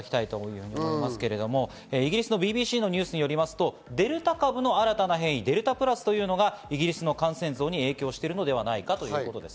イギリスのＢＢＣのニュースによりますとデルタ株の新たな変異・デルタプラスというのがイギリスの感染増に影響しているのではないかということです。